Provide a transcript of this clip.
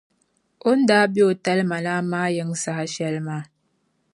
O ni daa be o talima lan’ maa yiŋ’ saha shɛli maa.